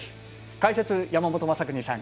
解説、山本昌邦さん。